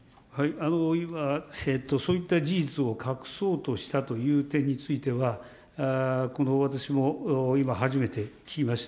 そういった事実を隠そうとしたという点については、私も今、初めて聞きました。